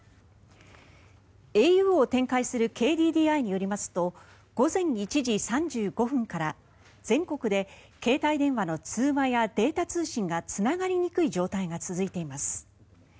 ａｕを展開するＫＤＤＩによりますと午前１時３５分から全国で携帯電話の通話やデータ通信がつながりにくい状態が続いています。